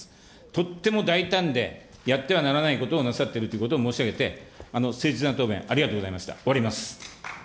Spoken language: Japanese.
とっても大胆でやってはならないことをなさっているということを申し上げて、切実な答弁ありがとうございました。